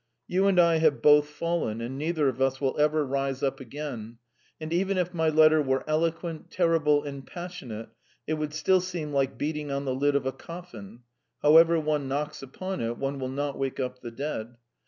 You and I have both fallen, and neither of us will ever rise up again; and even if my letter were eloquent, terrible, and passionate, it would still seem like beating on the lid of a coffin: however one knocks upon it, one will not wake up the dead!